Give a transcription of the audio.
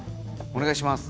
おねがいします！